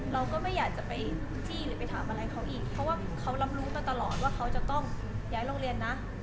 เราก็ไม่อยากจะไปจี้หรือไปถามอะไรเขาอีกเพราะว่าเขารับรู้มาตลอดว่าเขาจะต้องย้ายโรงเรียนนะ